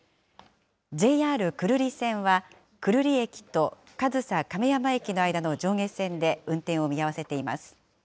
ＪＲ久留里線は、久留里駅と上総亀山駅の間の上下線で運転を見合わせています。